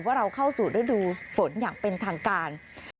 ว่าเราเข้าสู่ฤดูฝนอย่างเป็นทางการ